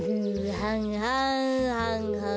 はんはんはんはん。